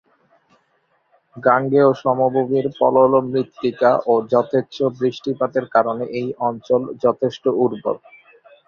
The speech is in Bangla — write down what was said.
গাঙ্গেয় সমভূমির পলল মৃত্তিকা ও যথেচ্ছ বৃষ্টিপাতের কারণে এই অঞ্চল যথেষ্ট উর্বর।